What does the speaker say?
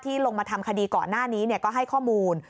ลงมาทำคดีก่อนหน้านี้ก็ให้ข้อมูล